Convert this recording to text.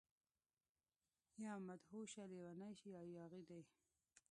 يا مدهوشه، لیونۍ شي يا ياغي دي